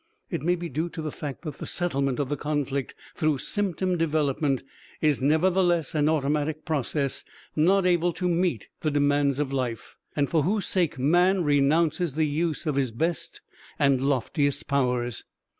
It may be due to the fact that the settlement of the conflict through symptom development is nevertheless an automatic process, not able to meet the demands of life, and for whose sake man renounces the use of his best and loftiest powers.